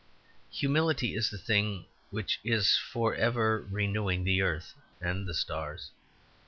Humility is the thing which is for ever renewing the earth and the stars.